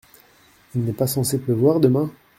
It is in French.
Il n’est pas censé pleuvoir demain ?